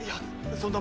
そんな。